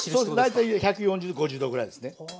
大体１４０１５０℃ぐらいですね。